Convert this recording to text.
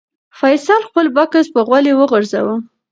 فیصل خپل بکس په غولي وغورځاوه.